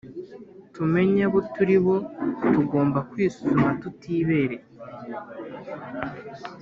Tumenye abo turi bo tugomba kwisuzuma tutibereye